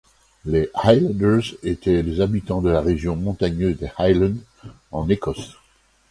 Les Highlanders étaient les habitants de la région montagneuse des Highlands en Écosse.